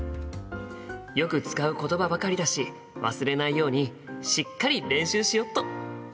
よく使うことばばかりだし忘れないようにしっかり練習しよっと。